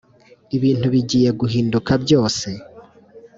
Ibintu bigiye guhinduka byose